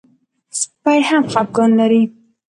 سپي هم خپګان لري.